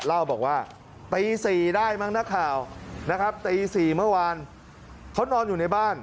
เล่าบอกว่าตีสี่ได้มั้งนะครับตีสี่เมื่อวานเขานอนอยู่ในบ้าน